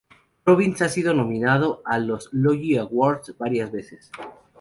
Robbins ha sido nominado a los Logie Awards varias veces.